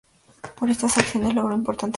Por estas acciones logró importantes ascensos.